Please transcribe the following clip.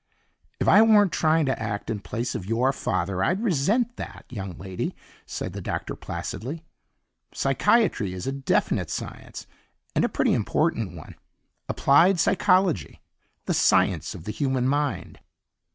"If I weren't trying to act in place of your father, I'd resent that, young lady," said the Doctor placidly. "Psychiatry is a definite science, and a pretty important one. Applied psychology, the science of the human mind."